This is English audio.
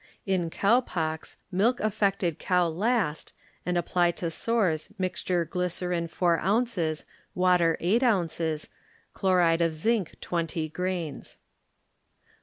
In cow pox milk alFected cow last and apply to sores mixture glycer ine four ounces, water eight ounces, chloride of zinc twenty grains.